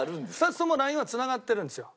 ２つともＬＩＮＥは繋がってるんですよ。